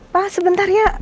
pak sebentar ya